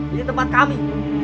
ini tempat kami